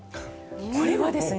これはですね。